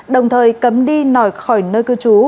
đồng thời cấm đi nổi khỏi nơi cư trú